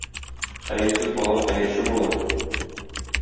Хәерсез бала хәерче булыр.